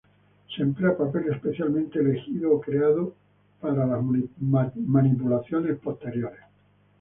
Se emplea papel especialmente elegido o creado para las manipulaciones posteriores.